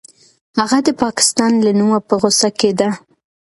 هغه د پاکستان له نومه په غوسه کېده.